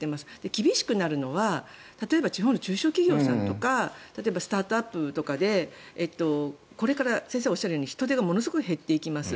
厳しくなるのは例えば地方の中小企業さんとかスタートアップとかで、これから先生がおっしゃるように人手がものすごい減っていきます。